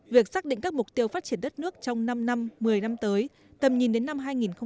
việc xác định các mục tiêu phát triển đất nước trong năm năm một mươi năm tới tầm nhìn đến năm hai nghìn bốn mươi